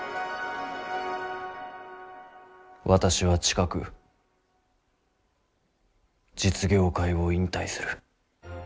私は近く実業界を引退する。